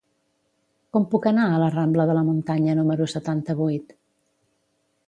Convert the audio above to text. Com puc anar a la rambla de la Muntanya número setanta-vuit?